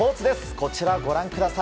こちら、ご覧ください。